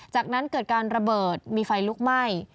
จากนั้นเกิดการระเบิดมีไฟลุกไหม้